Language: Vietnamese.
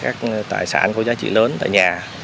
chắc là không nên để các tài sản có giá trị lớn tại nhà